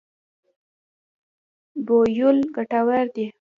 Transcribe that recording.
بویول ګټور دی.